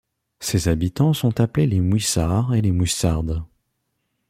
Ses habitants sont appelés les Mouysards et les Mouysardes.